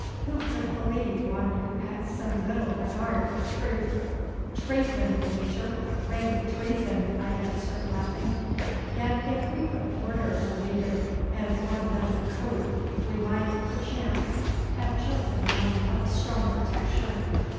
Who could believe one who has so little regard for truth?' 'Treason, Major, rank treason,' I answered, laughing. 'Yet if we could order a leader as one does a coat we might, perchance, have chosen one of a stronger texture.